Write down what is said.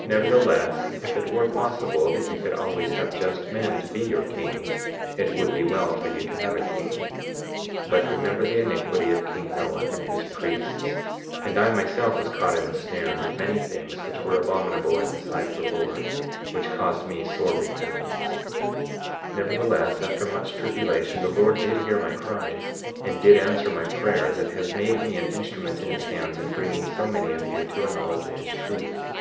23:8 Nevertheless, if it were possible that ye could always have just men to be your kings it would be well for you to have a king. 23:9 But remember the iniquity of king Noah and his priests; and I myself was caught in a snare, and did many things which were abominable in the sight of the Lord, which caused me sore repentance; 23:10 Nevertheless, after much tribulation, the Lord did hear my cries, and did answer my prayers, and has made me an instrument in his hands in bringing so many of you to a knowledge of his truth.